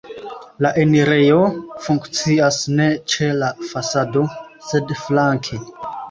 La enirejo funkcias ne ĉe la fasado, sed flanke.